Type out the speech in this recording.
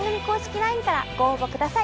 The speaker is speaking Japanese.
ＬＩＮＥからご応募ください。